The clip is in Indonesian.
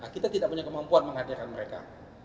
kita tidak punya kemampuan menghadirkan mereka